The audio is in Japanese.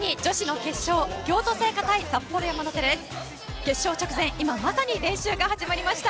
決戦直前、今まさに練習が始まりました。